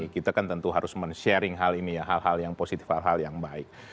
kita kan tentu harus men sharing hal ini ya hal hal yang positif hal hal yang baik